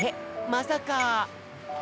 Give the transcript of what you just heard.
まさか。